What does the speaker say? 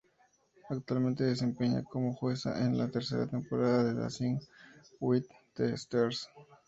Actualmente se desempeña como jueza en la tercera temporada de Dancing with the stars.